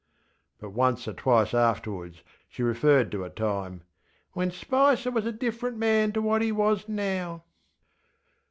ŌĆÖ But once or twice afterwards she referred to a time ŌĆśwhen Spicer was a different man to what he was now.